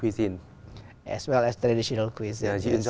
vào năm trước